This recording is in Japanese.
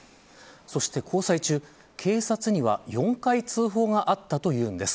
そして交際中、警察には４回通報があったというんです。